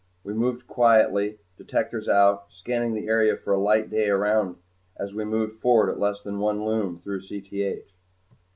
We moved quietly, detectors out, scanning the area for a light day around as we moved forward at less than one Lume through Cth.